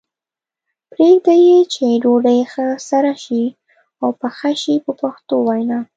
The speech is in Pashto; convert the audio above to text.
پرېږدي یې چې ډوډۍ ښه سره شي او پخه شي په پښتو وینا.